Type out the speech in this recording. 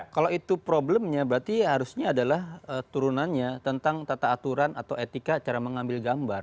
kalau itu problemnya berarti harusnya adalah turunannya tentang tata aturan atau etika cara mengambil gambar